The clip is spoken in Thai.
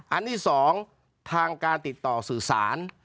อันที่๒ทางการติดต่อสื่อสาร